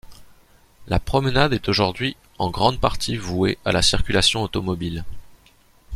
La promenade est aujourd'hui en grande partie vouée à la circulation automobile.